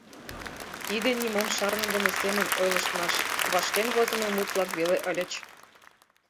Тиде нимом шарныдыме семын ойлыштмаш, вашкен возымо мут-влак веле ыльыч.